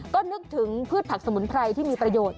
ก็นึกถึงพืชผักสมุนไพรที่มีประโยชน์